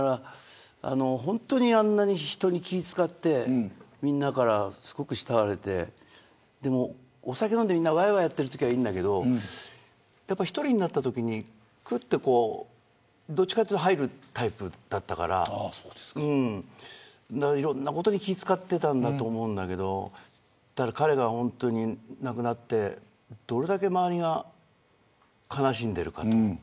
本当にあんなに人に気を使ってみんなから、すごく慕われてお酒飲んでわいわいやっているときはいいけれどやっぱ、１人になったときにくっと、どちらかというと入るタイプだったからいろんなことに気を使っていたんだと思うんだけど彼が、ほんとに亡くなってどれだけ周りが悲しんでいるか。